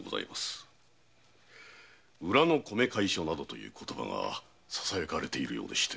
「裏の米会所」などという言葉がささやかれているようでして。